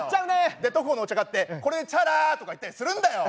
で特保のお茶買って「これでチャラ」とか言ったりするんだよ！